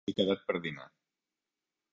He quedat per dinar.